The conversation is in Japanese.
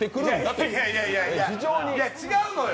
いや違うのよ、